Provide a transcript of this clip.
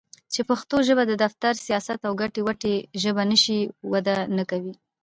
چې پښتو ژبه د دفتر٬ سياست او ګټې وټې ژبه نشي؛ وده نکوي.